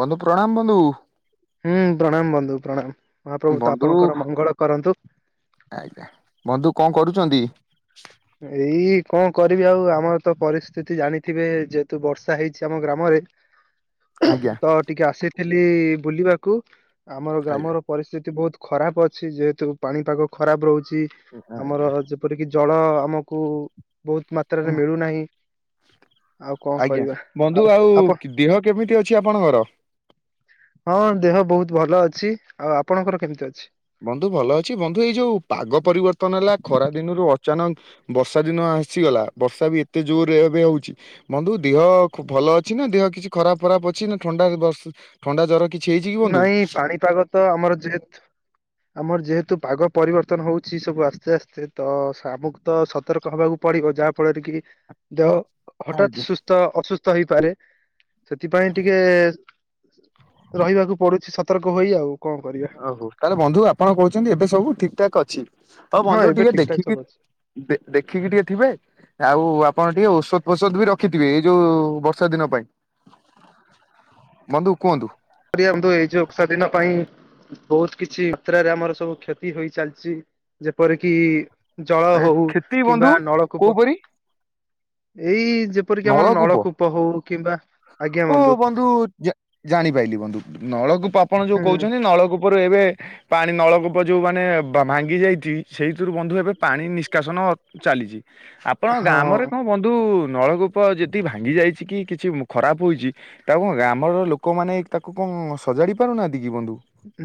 ବନ୍ଧୁ ପ୍ରଣାମ ବନ୍ଧୁ। ହୁଁ ପ୍ରଣାମ ବନ୍ଧୁ ପ୍ରଣାମ ମହାପ୍ରଭୁ ତ ବନ୍ଧୁ ଆପଣଙ୍କର ମଙ୍ଗଳ କରନ୍ତୁ। ଆଜ୍ଞା ବନ୍ଧୁ ଙ୍କ କରୁଚନ୍ତି? ଏଇ କଣ କରିବି ଆଉ ଆମର ତ ପରିସ୍ଥିତି ଜାଣିଥିବେ ଯେହେତୁ ବର୍ଷା ହେଇଛି ଆମ ଗ୍ରାମରେ ଆଜ୍ଞା ତ ଟିକେ ଆସିଥିଲି ବୁଲିବାକୁ ଆମର ଆଜ୍ଞା ଗ୍ରାମର ପରିସ୍ଥିତି ବହୁତ ଖରାପ ଅଛି ଯେହେତୁ ପାଣିପାଗ ଖରାପ ରହୁଛି ଆଜ୍ଞା ଆମର ଯେ ପରିକି ଜଳ ଆମକୁ ବହୁତ ମାତ୍ରାରେ ମିଳୁନାହିଁ। ଆଉ କଣ ଆଜ୍ଞା କରିବା। ବନ୍ଧୁ ଆଉ ଆପଣ ଦିହ କେମିତି ଅଛି ଆପଣଙ୍କର? ହଁ ଦେହ ବହୁତ ଭଲ ଅଛି ଆଉ ଆପଣଙ୍କର କେମିତି ଅଛି? ବନ୍ଧୁ ଭଲ ଅଛି ବନ୍ଧୁ ଏଇ ଯୋଉ ପାଗ ପରିବର୍ତ୍ତନ ହେଲା ଖରା ଦିନରୁ ଅଚାନକ ବର୍ଷା ଦିନ ଆସିଗଲା ବର୍ଷା ବି ଏତେ ଜୋରରେ ଏବେ ହଉଚି। ବନ୍ଧୁ ଦିହ ଭଲ ଅଛି ନା ଦେହ କିଛି ଖରାପ ଖରାପ ଅଛି ନା ଥଣ୍ଡା ବସ ଥଣ୍ଡା ଜର କିଛି ହେଇଛି କି ବନ୍ଧୁ ନାଇଁ ପାଣିପାଗ ତ ଆମର ଯେହେତ ଆମର ଯେହେତୁ ପାଗ ପରିବର୍ତ୍ତନ ହଉଛି ସବୁ ଆସ୍ତେ ଆସ୍ତେ ତ ସ ଆମକୁ ତ ସତର୍କ ହବାକୁ ପଡିବ ଯାହା ଫଳରେ କି ଦେହ ହଠାତ୍ ଆଜ୍ଞା ସୁସ୍ଥ ଅସୁସ୍ଥ ହେଇପାରେ ସେଥିପାଇଁ ଟିକେ ରହିବାକୁ ପଡୁଛି ସତର୍କ ହୋଇ ଆଉ। କଣ କରିବା ଓହୋ ତାହେଲେ ବନ୍ଧୁ ଆପଣ କହୁଛନ୍ତି ଏବେ ସବୁ ଠିକ ଠାକ୍ ଅଛି ହଉ ହଁ ବନ୍ଧୁ ଏବେ ଟିକେ ଠିକ ଠାକ ସବୁ ଦେଖିକି ଅଛି। ଦେ ଦେଖିକି ଟିକେ ଥିବେ। ଆଉ ଆପଣ ଟିକେ ଔଷଧ ଫୋଷଧ ବି ରଖିଥିବେ ଏଇ ଯୋଉ ବର୍ଷା ଦିନ ପାଇଁ। ବନ୍ଧୁ କୁହନ୍ତୁ ରିଅନ୍ତୁ ଏଇ ଜଉ ବର୍ଷା ଦିନ ପାଇଁ ବହୁତ କିଛି ମାତ୍ରାରେ ଆମର ସବୁ କ୍ଷତି ହୋଇ ଚାଲିଛି ଯେପରିକି ଜଳ ଏ ହଉ କ୍ଷତି ବନ୍ଧୁ କିମ୍ବା ନଳକୂପ କୋଉପରି ଏଇ ଯେ ପରିକି ଆମର ନଳକୂପ ହଉ କିମ୍ବା ଆଜ୍ଞା ଓ ବନ୍ଧୁ। ବନ୍ଧୁ ଜା ଜାଣିପାଇଲିି ବନ୍ଧୁ ନଳକୂପ ଆପଣ ଯୋଉ ହୁଁ କହୁଚନ୍ତି ନଳକୂପରୁ ଏବେ ପାଣି ନଳକୂପ ଯୋଉ ମାନେ ବା ଭାଙ୍ଗି ଯାଇଚି ସେଇଥିରୁ ବନ୍ଧୁ ଏବେ ପାଣି ନିଷ୍କାସନ ଚାଲିଚି ଆପଣ ହଁ ଗାମରେ ଙ୍କ ବନ୍ଧୁ ନଳକୂପ ପ ଯେତିକି ଭାଙ୍ଗି ଯାଇଛି କି କିଛି ମୁ ଖରାପ ହୋଇଛି ତମ ଗାମର ଲୋକମାନେ ତାକୁ ଙ୍କ ସଜାଡି ପାରୁନାହାନ୍ତି କି ବନ୍ଧୁ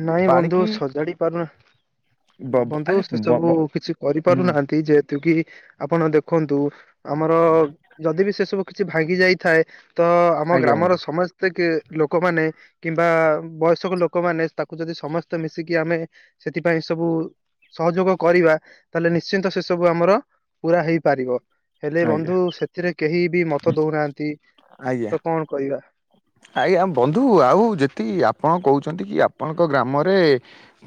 ନାଇଁ ପାଣି ବନ୍ଧୁ କି ସଜାଡି ପାରୁନା ବବ ବନ୍ଧୁ ଆରେ ସେ ସବୁ ବବ କିଛି ହୁଁ କରିପାରୁନାହାନ୍ତି ଯେ ଥୁକି ଆପଣ ଦେଖନ୍ତୁ ଆମର ଯଦି ବି ସେ ସବୁ କିଛି ଭାଙ୍ଗି ଯାଇଥାଏ ତ ଆମ ଆଜ୍ଞା ଗ୍ରାମର ବନ୍ଧୁ ସମସ୍ତେ କେ ଲୋକମାନେ କିମ୍ବା ବୟସକ ଲୋ କମାନେ ତାକୁ ଯଦି ସମସ୍ତେ ମିଶିକି ଆମେ ସେଥିପାଇଁ ସବୁ ସହଯୋଗ କରିବା ତାହେଲେ ନିଶ୍ଚିନ୍ତ ସେ ସବୁ ଆମର ପୁରା ହେଇପାରିବ। ହେଲେ ଆଜ୍ଞା ବନ୍ଧୁ ସେଥିରେ କେହି ବି ମତ ଦଉନାହାନ୍ତି ଆଜ୍ଞା। ତ କଣ କହିବା। ଆଜ୍ଞା ବନ୍ଧୁ ଆଉ ଯତି ଆପଣ କହୁଛନ୍ତି କି ଆପଣଙ୍କ ଗ୍ରାମରେ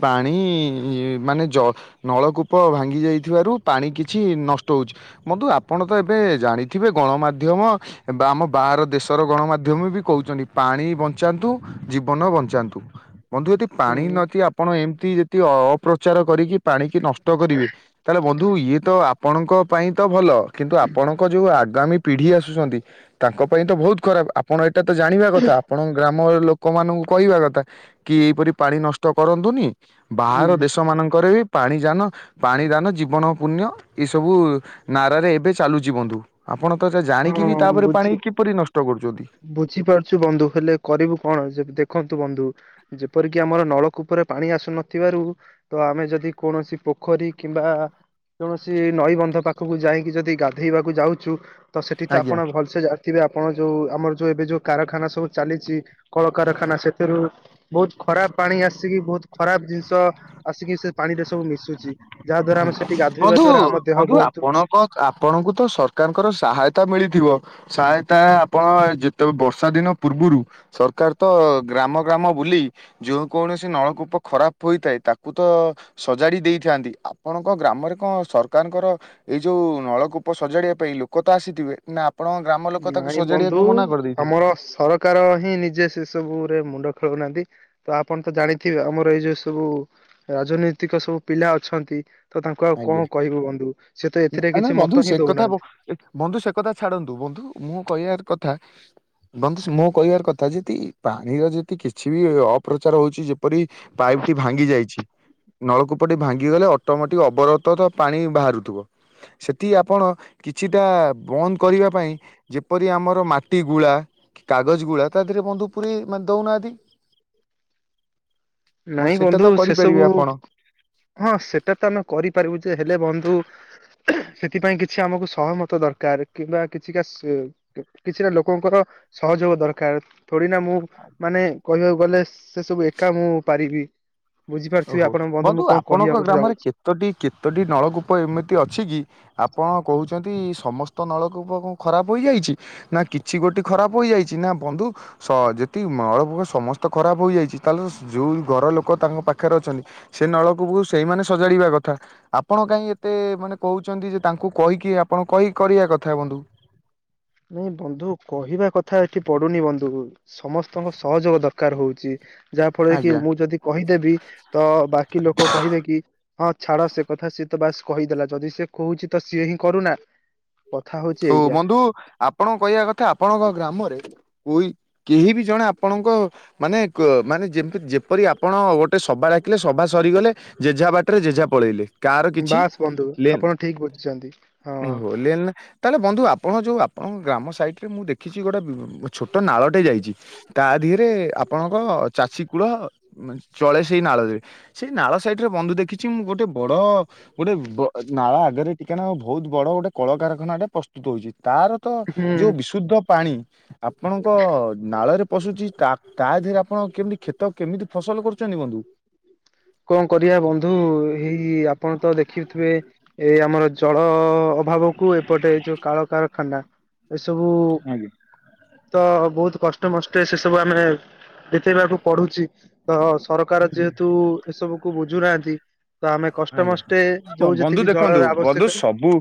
ପାଣି ମାନେ ଜ ନଳକୂପ ଭାଙ୍ଗି ଯାଇଥିବାରୁ ପାଣି କିଛି ନଷ୍ଟ ହଉଛି। ବନ୍ଧୁ ଆପଣ ତ ଏବେ ଜାଣିଥିବେ ଗଣମା ଧ୍ୟମ ବା ଆମ ବାହାର ଦେଶର ଗଣମାଧ୍ୟମ ବି କହୁଚନ୍ତି ପାଣି ବଞ୍ଚାନ୍ତୁ। ଜୀବନ ବଞ୍ଚାନ୍ତୁ। ବନ୍ଧୁ ଯଦି ପାଣି ହୁଁ ନଥି ଆପଣ ଏମତି ଯତି ଅ, ଅପ୍ରଚାର କରିକି ପାଣ କି ନଷ୍ ଟ କରିବେ ତାହେଲେ ବନ୍ଧୁ ଇଏ ତ ଆପଣଙ୍କ ପାଇଁ ତ ଭଲ। କିନ୍ତୁ ଆପଣଙ୍କ ଯୋଉ ଆଗାମୀ ପିଢି ଆସୁଛନ୍ତି ତାଙ୍କ ପାଇଁ ତ ବହୁତ ଖରାପ। ଆପଣ ଏଟା ତ ଜାଣିବା କଥା। ଆପଣଙ୍କ ଗ୍ରା ମର ଲୋକମାନଙ୍କୁ କହିବା କଥା କି ଏଇପରି ପାଣି ନଷ୍ଟ କରନ୍ତୁନି। ବାହାର ବୁ- ଦେଶ ମାନଙ୍କରେ ବି ପାଣି ଯାନ ପାଣି ଦାନ ଜୀବନ ପୁଣ୍ୟ ଏସବୁ ନାରାରେ ଏବେ ଚାଲୁଚି ବନ୍ଧୁ। ଆପଣ ତ ଏଟା ଜାଣିକି ହଁ ବି ତାପରେ ବୁଝି ପାଣି କିପରି ନଷ୍ଟ କରୁଚନ୍ତି। ବୁଝିପାରୁଛୁ ବନ୍ଧୁ ହେଲେ କରିବୁ କଣ? ଯେ ଦେଖନ୍ତୁ ବନ୍ଧୁ ଯେପରିକି ଆମର ନଳକୂପରେ ପାଣି ଆସୁନଥିବାରୁ ତ ଆମେ ଯଦି କୌଣସି ପୋଖରୀ କିମ୍ବା କୌଣସି ନଈବନ୍ଧ ପାଖକୁ ଯାଇକି ଯଦି ଗାଧେଇବାକୁ ଯାଉଛୁ ତ ସେଠି ତ ଆଜ୍ଞା। ଆପଣ ଭଲସେ ଜାଣିଥିବେ ଆପଣ ଯୋଉ ଆମର ଯୋଉ ଏବେ ଯୋଉ କାରଖାନା ସବୁ ଚାଲିଚି। କଳକାରଖାନା ସେଥିରୁ ବହୁତ ଖରାପ ପାଣି ଆସିକି ବହୁତ ଖରାପ ଜିନିଷ ଆସିକି ସେ ପାଣିରେ ସବୁ ମିଶୁଚି। ଯାହା ଦ୍ବାରା ଆମେ ସେଠି ଗାଧୋଇବା ଦ୍ଵାରା ଆମ ଦେହ ବହୁତୁ କ-ଆପଣଙ୍କୁ ତ ସରକାରଙ୍କର ସାହାୟତା ମିଳିଥିବ। ସାୟାତା ଆପଣ ଯେତେ ବର୍ଷା ଦିନ ପୂର୍ବରୁ ସରକାର ତ ଗ୍ରାମ ଗ୍ରାମ ବୁଲି ଯୋଉ କୌଣସି ନଳକୂପ ଖରାପ ହୋଇଥାଏ ତାକୁ ତ ସଜାଡି ଦେଇଥାନ୍ତି। ଆ ଆପଣଙ୍କ ଗ୍ରାମରେ କଣ ସରକାରଙ୍କର ଏଇ ଯୋଉ ନଳକୂପ ସଜାଡ଼ିବା ପାଇଁ ଲୋକ ତ ଆସିଥିବେ। ନା ଆପଣଙ୍କ ଗ୍ରାମ ଲୋକ ତାକୁ ସଜାଡିବାକୁ ମନା କରିଦେଇଥିଲେ? ତ ସର କାର ହିଁ ନିଜେ ସେ ସବୁ ରେ ମୁଣ୍ଡ ଖେଳଉନାହାନ୍ତି। ତ ଆପଣ ତ ଜାଣିଥିବେ ଆମର ଏଇ ଯୋଉ ସବୁ ରାଜନୈତିକ ସବୁ ପିଲା ଅଛନ୍ତି। ତ ତାଙ୍କୁ ଆଉ ଆଜ୍ଞା କଣ କହିବୁ ବନ୍ଧୁ ସେ ତ ଏଥିରେ ନା ନା କିଛି ବନ୍ଧୁ ମତ ସେ ହିଁ କଥା ବ ଦଉନାହାନ୍ତି। ବନ୍ଧୁ ସେ କଥା ଛାଡନ୍ତୁ। ବନ୍ଧୁ ମୁଁ କହିବାର କଥା ବନ୍ଧୁ ମୁଁ କହିବାର କଥା ଯଦି ପାଣିର ଯଦି କିଛି ବି ଅପ୍ରଚାର ହଉଚି ଯେପରି ପାଇପ୍ ଟି ଭାଙ୍ଗି ଯାଇଛି। ନଳକୂପ ଟି ଭାଙ୍ଗିଗଲେ ଅଟୋମେ ଟିକ ଅବରତ ତ ପାଣି ବାହାରୁଥୁବ। ସେଠି ଆପଣ କିଛିଟା ବନ୍ଦ କରିବା ପାଇଁ ଯେପରି ଆମର ମାଟି ଗୁଳା କି କାଗଜ ଗୁଳା ତା ଦେହରେ ବଦ୍ଧୁ ପୁରି ମାନେ ଦଉନାହାନ୍ତି। ନାଇଁ ନନେ ସେଟା ବନ୍ଧୁ ତ ସେ ସବୁ କରିପାରିବେ ଆପଣ। ହଁ ସେଟା ତ ଆମେ କରିପାରିବୁ ଯେ ହେଲେ ବନ୍ଧୁ ସେଥିପାଇଁ କିଛି ଆମକୁ ସହମତ ଦରକାର। କିମ୍ବା କିଛି କା ସେ କ- କିଛିଟା ଲୋକଙ୍କର ସହଯୋଗ ଦରକାର। ଥଡିନା ମୁଁ ମାନେ କହିବାକୁ ଗଲେ ସେ ସବୁ ଏକା ମୁଁ ପାରିବି। ବୁଝିପାରୁଥିବେ ଆପଣ ବନ୍ଧୁ ମୁଁ କଣ କହିବାକୁ ଚାହୁଁଛି। ତୋଟି କେତୋଟି ନଳକୂପ ଏମିତି ଅଛି କି? ଆପଣ କହୁଛନ୍ତି ସମସ୍ତ ନଳକୂପ କଣ ଖରାପ ହୋଇଯାଇଛି? ନା କିଛି ଗୋଟି ଖରାପ ହୋଇଯାଇଛି ନା ବନ୍ଧୁ ସ ଯେତିକି ନଳକୂପ ସମସ୍ତ ଖରାପ ହୋଇଯାଇଛି ତାହେଲେ ଯୋଉ ଘର ଲୋକ ତାଙ୍କ ପା ଖରେ ଅଛନ୍ତି ସେ ନଳକୂପକୁ ସେଇମାନେ ସଜାଡିବା କଥା। ଆପଣ କାଇଁ ଏତେ ମାନେ କହୁଛନ୍ତି ଯେ ତାଙ୍କୁ କହିକି ଆପଣ କହିକି କରିବା କଥା ବନ୍ଧୁ। ନାଇଁ ବନ୍ଧୁ କହିବା କଥା ଏଠି ପଡ଼ୁନି ବନ୍ଧୁ ସମସ୍ତଙ୍କ ସହଯୋଗ ଦର କାର ହୋଉଚି ଯାହା ଫଳରେ କି ଆଜ୍ଞା। ମୁଁ ଯଦି କହିଦେବି ତ ବାକି ଲୋକ କହିବେ କି ହଁ ଛାଡ଼ ସେ କଥା ସିଏ ତ ବାସ୍ କହିଦେଲା ଯଦି ସିଏ କହୁଚି ତ ସିଏ ହିଁ କରୁନା। କଥା ହଉଛି ହୋଉ ଏଇଆ। ବନ୍ଧୁ ଆପଣଙ୍କ କହିବା କଥା ଆପଣଙ୍କ ଗ୍ରାମରେ ଓଇ କେହି ବି ଜଣେ ଆପଣଙ୍କ ମାନେ କ ମାନେ ଯେମତି ଯେପରି ଆପଣ ଗୋଟେ ସଭା ଡାକିଲେ ସଭା ସରିଗଲେ ଯେଝା ବାଟରେ ଯେଝା ପଳେଇଲେ। କାର କିଛି ବାସ୍ ବନ୍ଧୁ ଲେନ୍ ଆପଣ ଠିକ ବୁଝିଛନ୍ତି ହଁ ହୋ ଲେନ୍ ତାଲେ ବନ୍ଧୁ ଆପଣ ଯୋଉ ଆପଣଙ୍କ ଗ୍ରାମ ସାଇଟ୍ ରେ ମୁଁ ଦେଖିଚି ଗୋଟେ ଛୋଟ ନାଳଟେ ଯାଇଚି। ତା ଧିଅରେ ଆପଣଙ୍କ ଚାଷୀ କୂଳ ମା ଚଳେ ସେଇ ନାଳରେ। ସେଇ ନାଳ ସାଇଟ୍ ରେ ବନ୍ଧୁ ଦେଖିଚି ମୁଁ ଗୋଟେ ବଡ଼ ଗୋଟେ ବ ନାଳ ଆଗରେ ଟିକେ ନାଉ ଭୋଉତ ବଡ଼ ଗୋଟେ କଳକାରଖାନାଟେ ପ୍ରସ୍ତୁତ ହୋଉଚି ତାର ତ ଯୋଉ ହୁଁ। ବିଶୁଦ୍ଧ ପାଣି ଆପଣଙ୍କ ନାଳରେ ପଶୁଚି ତା ତା ଧେରେ ଆପଣ କେମିତି କ୍ଷେତ କେମିତି ଫସଲ କରୁଚନ୍ତି ବନ୍ଧୁ? କଁ କରିବା ବନ୍ଧୁ ହେଇ ଆପଣ ତ ଦେଖିଥିବେ ଏ ଆମର ଜଳ ଅଭାବକୁ ଏପଟେ ଏଇ ଯୋଉ କାଳକାରଖାନା ଏସବୁ ଆଜ୍ଞା ତ ବହୁତ କଷ୍ଟ ମଷ୍ଟେ ସେ ସବୁ ଆମେ ବିତେଇବାକୁ ପଡ଼ୁଚି। ତ ସରକାର ଯେହେତୁ ଏସବୁକୁୁ ବୁଝୁନାହାନ୍ତି ତ ଆମେ ଆଜ୍ଞା କଷ୍ଟମଷ୍ଟେ ଯୋଉ ବନ୍ଧୁ ଯେତିକି ଦେଖନ୍ତୁ ଜଳର ବନ୍ଧୁ ଆବଶ୍ୟକରୁ ସବୁ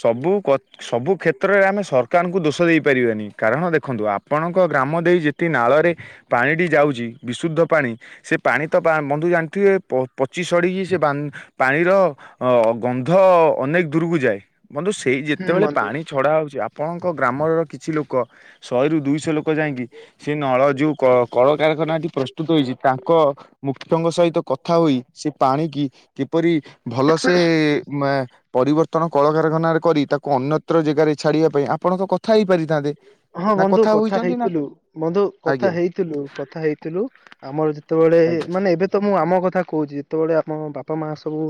ସବୁ କ ସବୁ କ୍ଷେତ୍ରରେ ଆମେ ସରକାରଙ୍କୁ ଦୋଷ ଦେଇପାରିବାନି କାରଣ ଦେଖନ୍ତୁ ଆପଣଙ୍କ ଗ୍ରାମ ଦେଇ ଯେତି ନାଳରେ ପାଣିଟି ଯାଉଚି ବିଶୁଦ୍ଧ ପାଣି। ସେ ପାଣି ତ ପା ବନ୍ଧୁ ଜାଣିଥିବେ ପ ପଚି ସଢ଼ିକି ସେ ବାଁ ପାଣିର ଅ ଗନ୍ଧ ଅନେକ ଦୂରକୁ ଯାଏ ବନ୍ଧୁ ସ୍ ହେଇ ହୁଁ ଯେତେବେଳେ ବନ୍ଧୁ। ପାଣି ଛଡ଼ା ହୋଉଚି ଆପଣଙ୍କ ଗ୍ରାମର କିଛି ଲୋକ ଶଏରୁ ଦୁଇ ସେ ଲୋକ ଯାଇଁକି ସେ ନଳ ଯୋଉ କ କଳକାରାରଖାନା ଏଠି ପ୍ରସ୍ତୁତ ହୋଇଚି ତାଙ୍କ ମୁଖ୍ୟଙ୍କ ସହିତ କଥା ହୋଇ ସେ ପାଣିକି କିପରି ଭଲସେ ମା ପରିବର୍ତ୍ତନ କଳକାରଖାନାରେ କରି ତାକୁ ଅନ୍ୟତ୍ର ଜେଗାରେ ଛାଡ଼ିବା ପାଇଁ ଆପଣ ତ କଥା ହେଇପାରିଥାନ୍ତେ। ହଁ ବନ୍ଧୁ କଥା ହେଇଥିଲୁ ବନ୍ଧୁ କଥା ଆଜ୍ଞା ହେଇଥିଲୁ କଥା ହେଇଥିଲୁ। ଆମର ଯେତୋବେଳେ ଆଜ୍ଞା ମାନେ ଏବେ ତ ମୁଁ ଆମ କଥା କୋହୁଚି ଯେତୋଳେ ଆମ ବାପା ମା ସବୁ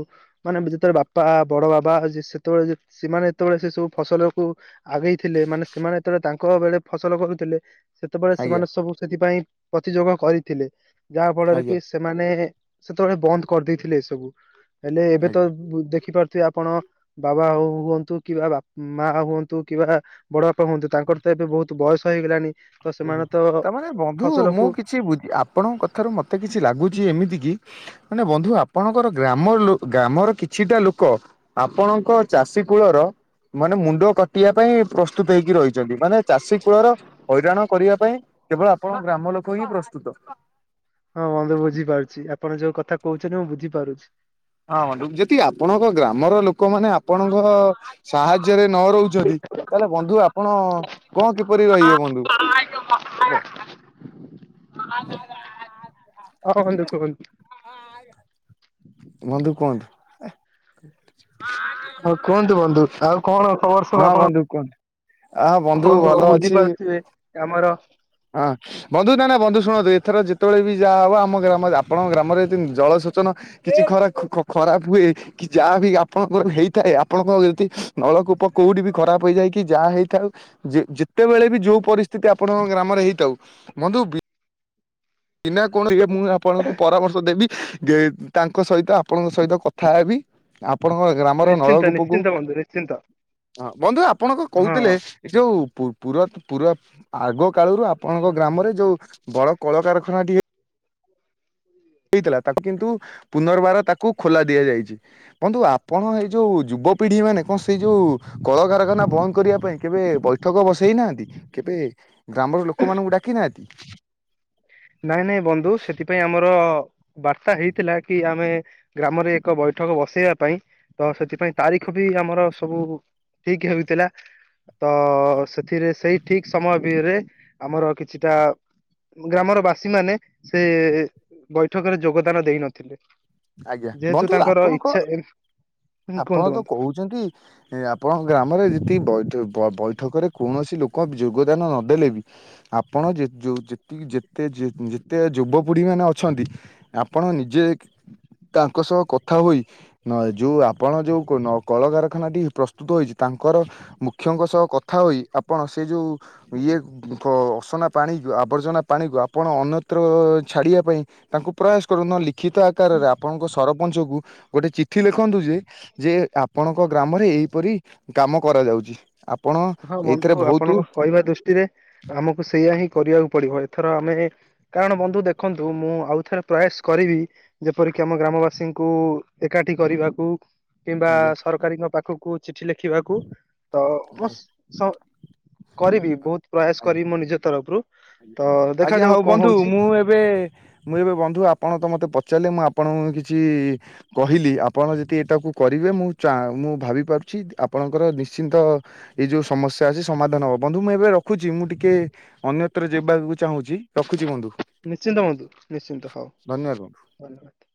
ମାନେ ବ ଯେତେଳେ ବାପା ବଡ଼ ବାବା ଯେ ସେତୋଳେ ଯେ ସେମାନେ ଯେତୋଳେ ସେ ସବୁ ଫସଲକୁ ଆଗେଇଥିଲେ ମାନେ ସେମାନେ ଯେତୋଳେ ତାଙ୍କ ବେଳେ ଫସଲ କରୁଥିଲେ ସେତୋବେଳେ ଆଜ୍ଞା ସେମାନେ ସବୁ ସେଥିପାଇଁ ପ୍ରତିଯୋଗ କରିଥିଲେ ଯାହା ଫଳରେ କି ଆଜ୍ଞା ଏସ୍ ସେମାନେ ସେତୋଳେ ବନ୍ଦ କରିଦେଇଥିଲେ ଏସବୁ ହେଲେ ଏବେ ତ ଆଜ୍ଞା ବୁ ଦେଖିପାରୁ ଥୁଏ ଆପଣ ବାବା ହୋଉ ହୁଅନ୍ତୁ କିବା ବା ମା ହୁଅନ୍ତୁ କିବା ବଡ଼ ବାପା ହୁଅନ୍ତୁ ତାଙ୍କର ତ ଏବେ ବୋହୁତ ବୟସ ହେଇଗଲାଣି ତ ସେମାନେ ତ ଫସଲକୁୁ ଛି ବୁଦି ଆପଣଙ୍କ କଥାରୁ ମୋତେ କିଛି ଲାଗୁଚି ଏମିତି କି ମାନେ ବନ୍ଧୁ ଆପଣଙ୍କର ଗ୍ରାମର ଲୋ ଗ୍ରାମର କିଛିଟା ଲୋକ ଆପଣଙ୍କ ଚାଷୀ କୂଳର ମାନେ ମୁଣ୍ଡ କଟିବା ପାଇଁ ପ୍ରସ୍ତୁତ ହେଇକି ରହିଚନ୍ତି ମାନେ ଚାଷୀ କୂଳର ହଇରାଣ କରିବା ପାଇଁ କେବଳ ଆପଣ ଗ୍ରାମ ଲୋକ ହିଁ ପ୍ରସ୍ତୁତ। ହଁ ବନ୍ଧୁ ବୁଝି ପାରୁଛି ଆପଣ ଯୋଉ କଥା କୋହୁଛନି ମୁଁ ବୁଝିପାରୁଛି। ହଁ ବନ୍ଧୁ ଯେତି ଆପଣଙ୍କ ଗ୍ରାମର ଲୋକମାନେ ଆପଣଙ୍କ ସାହାଯ୍ୟରେ ନ ରହୁଚନ୍ତି ତାହେଲେ ବନ୍ଧୁ ଆପଣ କଁ କିପରି ରହିବେ ବନ୍ଧୁ? ଏ ପା ଆ ଭାଇ ରଖେବନ୍ ହଁ ଆଇ ଆଇ। ବନ୍ଧୁ କୁହନ୍ତୁ ହଁ କୁହନ୍ତୁ ବନ୍ଧୁ ଆଉ କଣ ଖବର ସବୁ ହଁ ଆପଣ ବନ୍ଧୁ କୁଅନ୍ତୁ ଆ ବନ୍ଧୁ ଭଲ ଅଛି। କାମର ହଁ ବନ୍ଧୁ ନା ନା ବନ୍ଧୁ ଶୁଣନ୍ତୁ ଏଥର ଯେତେବେଳେ ବି ଯାହା ହବ ଆମ ଗ୍ରାମ ଆପଣଙ୍କ ଗ୍ରାମରେ ଜଳସୋଚନ କିଛି ଖରା ଖ ଖ ଖରାପ ହୁଏ। କି ଯାହା ବି ଆପଣଙ୍କର ହେଇଥାଏ ଆପଣଙ୍କ ଯି ନଳକୂପ କୋଉଠି ବି ଖରାପ ହେଇଯାଏ କି ଯାହା ହେଇଥାଉ ଯେ ଯେତେବେଳେ ବି ଯୋଉ ପରିସ୍ଥିତି ଆପଣଙ୍କ ଗ୍ରାମରେ ହେଇଥାଉ ବନ୍ଧୁ ବି କିନା କଣ ଏଇ ମୁଁ ଆପଣଙ୍କୁ ପରାମର୍ଶ ଦେବି ଯେ ତାଙ୍କ ସହିତ ଆପଣଙ୍କ ସହିତ କଥା ହେବି ଆପଣଙ୍କ ଗ୍ରାମର ନିଶ୍ଚିନ୍ତ ନଳକୂପକୁ ନିଶ୍ଚିନ୍ତ ବନ୍ଧୁ ନିଶ୍ଚିନ୍ତ ହ ବନ୍ଧୁ ଆପଣ କଣ ହଁ କହୁଥିଲେ। ଏ ଯୋଉ ପୁ ପୁରତ ପୁରା ଆଗ କାଳରୁ ଆପଣଙ୍କ ଗ୍ରାମରେ ଯୋଉ ବଡ କଳକାରଖା ଖାନା ଡିଏ ହେଇଥିଲା ତାକୁ କିନ୍ତୁ ପୁନର୍ବାର ତାକୁ ଖୋଲା ଦିଆଯାଇଛି। ବନ୍ଧୁ ଆପଣ ଏଇ ଯୋଉ ଯୁବପିଢ଼ି ମାନେ କଣ ସେଇ ଯୋଉ କଳକାରାରଖାନା ବନ୍ଦ କରିବା ପାଇଁ କେବେ ବୈଠକ ବସେଇନାହାନ୍ତି କେବେ ଗ୍ରାମର ଲୋକମାନଙ୍କୁ ଡାକି ନାହାନ୍ତି। ନାଇଁ ନାଇଁ ବନ୍ଧୁ ସେଥିପାଇଁ ଆମର ବାର୍ତ୍ତା ହେଇଥିଲା କି ଆମେ ଗ୍ରାମରେ ଏକ ବୈଠକ ବସେଇବା ପାଇଁ ତ ସେଥିପାଇଁ ତାରିଖ ବି ଆମର ସବୁ ଠିକ ହେଉଥିଲା ତ ସେଥିରେ ସେଇ ଠିକ ସମୟ ଭିରେ ଆମର କିଛିଟା ଗ୍ରାମର ବାସୀ ମାନେ ସେ ବୈଠକରେ ଯୋଗଦାନ ଦେଇନଥିଲେ। ଆଜ୍ଞା ଯେହେତୁ ବନ୍ଧୁ ତାଙ୍କର ଆପଣଙ୍କ ଇଚ୍ଛା ଏ ହୁ କୁହନ୍ତୁ କୁହନ୍ତୁ ଛନ୍ତି ଆପଣଙ୍କ ଗ୍ରାମରେ ଯଦି ବଇଠ ବୈଠକରେ କୌଣସି ଲୋକ ଯୋଗଦାନ ନଦେଲେ ବି ଆପଣ ଯେ ଯେତିକି ଯେତେ ଯେତେ ଯୁବପିଢ଼ି ମାନେ ଅଛନ୍ତି ଆପଣ ନିଜେ ତାଙ୍କ ସହ କଥା ହୋଇ ନ ଯଉଁ ଆପଣ ଯୋଉ ନ କଳକାରଖାନାଟି ପ୍ରସ୍ତୁତ ହୋଇଛି ତାଙ୍କର ମୁଖ୍ୟଙ୍କ ସହ କଥା ହୋଇ ଆପଣ ସେ ଯୋଉ ଇଏ ଦିଖ ଅସନା ପାଣିକୁ ଆବର୍ଜନା ପାଣିକୁ ଆପଣ ଅନ୍ୟତ୍ର ଛାଡ଼ିବା ପାଇଁ ତାଙ୍କୁ ପ୍ରୟାସ କରୁନ୍ତୁ ଲିଖିତ ଆକାରରେ ଆପଣଙ୍କ ସରପଞ୍ଚ କୁ ଗୋଟେ ଚିଠି ଲେଖନ୍ତୁ ଯେ ଯେ ଆପଣଙ୍କ ଗ୍ରାମରେ ଏଇପରି କାମ କରାଯାଉଛି ଆପଣ ହଁ ଏଇଥିରେ ବନ୍ଧୁ ବହୁତ ଆପଣଙ୍କ କହିବା ଦୃଷ୍ଟିରେ ଆମକୁ ସେଇୟା ହିଁ କରିବାକୁ ପଡିବ ଏଥର ଆମେ କାରଣ ବନ୍ଧୁ ଦେଖନ୍ତୁ ମୁଁ ଆଉ ଥରେ ପ୍ରୟାସ କରିବି ଯେପରିକି ଆମ ଗ୍ରାମବାସୀଙ୍କୁ ଏକାଠି କରିବାକୁ କିମ୍ବା ଆଜ୍ଞା ସରକାରୀଙ୍କ ପାଖକୁ ଚିଠି ଲେଖିବାକୁ ତ ଅସ ସ କରିବି ବହୁତ ପ୍ରୟାସ ଆଜ୍ଞା କରିବି ମୋ ନିଜ ତରଫରୁ ତ ଆଜ୍ଞା ଦେଖାଯାଉ ହଉ କଣ ବନ୍ଧୁ ହଉଛି ମୁଁ ଏବେ ମୁଁ ଏବେ ବନ୍ଧୁ ଆପଣ ତ ମୋତେ ପଚାରିଲେ ମୁଁ ଆପଣଙ୍କୁ କିଛି କହିଲି ଆପଣ ଯଦି ଏଇଟାକୁ କରିବେ ମୁଁ ଚା ମୁଁ ଭାବି ପାରୁଛି ଆପଣଙ୍କର ନିଶ୍ଚିନ୍ତ ଏଇ ଯୋଉ ସମସ୍ୟା ଅଛି ସମାଧାନ ହବ ବନ୍ଧୁ ମୁଁ ଏବେ ରଖୁଛି ମୁଁ ଟିକେ ଅନ୍ୟ ଥରେ ଯିବାକୁ ଚାହୁଁଛି ରଖୁଚି ବନ୍ଧୁ, ନିଶ୍ଚିନ୍ତ ବନ୍ଧୁ ନିଶ୍ଚିନ୍ତ ହଉ ଧନ୍ୟବାଦ ବନ୍ଧୁ। [inaudible]